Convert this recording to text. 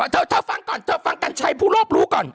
เธอฟังก่อนเธอฟังกัญชัยผู้รอบรู้ก่อน